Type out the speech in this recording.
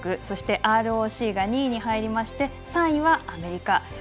そしてＲＯＣが２位に入り３位はアメリカ。